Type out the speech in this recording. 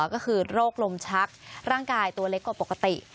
ก็คือโรคลมชักร่างกายตัวเล็กกว่าปกติ